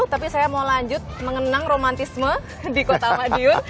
tapi saya mau lanjut mengenang romantisme di kota madiun